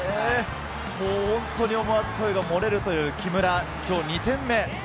本当に思わず声が漏れるという木村、今日２点目。